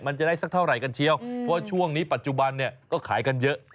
มันจะได้สักเท่าไหร่กันเชียวเพราะว่าช่วงนี้ปัจจุบันเนี่ยก็ขายกันเยอะ